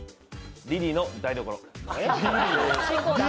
「リリーの台所」